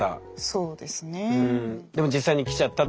そうですね。